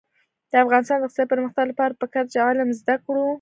د افغانستان د اقتصادي پرمختګ لپاره پکار ده چې علم زده کړو.